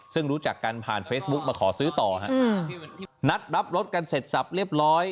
ซึ่งรู้จักกันผ่านเฟซบุ๊กมาขอซื้อต่อฮะนัดรับรถกันเสร็จสับเรียบร้อย